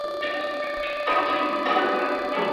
ولي زیارکښ کس د مخکښ سړي په پرتله لاره اسانه کوي؟